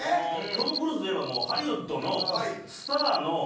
トム・クルーズといえばもうハリウッドのスターのど真ん中。